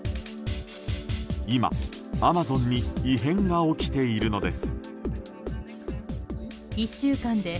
今、アマゾンに異変が起きているのです。